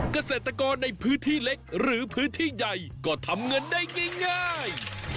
เกษตรกรในพื้นที่เล็กหรือพื้นที่ใหญ่ก็ทำเงินได้ง่าย